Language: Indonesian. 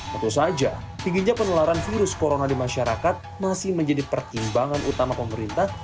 tentu saja tingginya penularan virus corona di masyarakat masih menjadi pertimbangan utama pemerintah